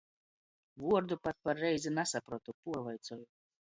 Vuordu pat par reizi nasaprotu, puorvaicuoju.